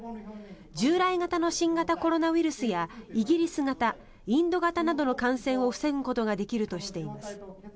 従来型の新型コロナウイルスやイギリス型、インド型などの感染を防ぐことができるとしています。